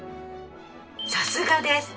さすがです。